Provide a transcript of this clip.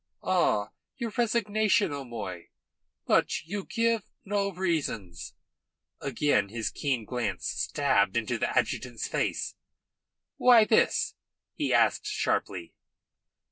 "Ah! Your resignation, O'Moy. But you give no reasons." Again his keen glance stabbed into the adjutant's face. "Why this?" he asked sharply.